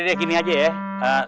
udh deh gini aja ya